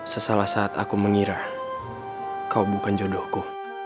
sesalah saat aku mengira kau bukan jodohku